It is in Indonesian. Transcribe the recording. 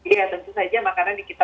iya tentu saja makanan ini kita